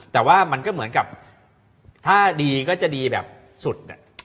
แต่ว่ามันก็เหมือนกับถ้าดีก็จะดีแบบสุด